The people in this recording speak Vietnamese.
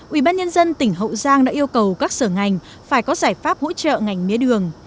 ubnd tỉnh hậu giang đã yêu cầu các sở ngành phải có giải pháp hỗ trợ ngành mía đường